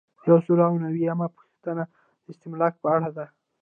یو سل او اووه نوي یمه پوښتنه د استملاک په اړه ده.